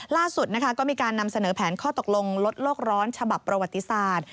ล่าสุดก็มีการนำเสนอแผนข้อตกลงลดโลกร้อนฉบับประวัติศาสตร์